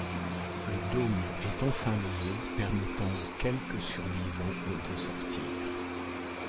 Le dôme est enfin levé, permettant aux quelques survivants de sortir.